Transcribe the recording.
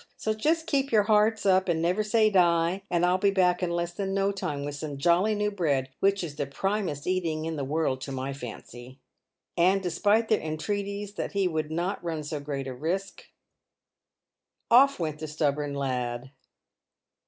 So just keep your hearts up and never say die, and I'll be back in less than no time with some jolly new bread, which is the primest eating in the world, to my fancy." And, despite their entreaties that he would not run so great a risk, off went the stubborn lad.